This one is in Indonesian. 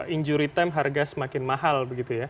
injury time harga semakin mahal begitu ya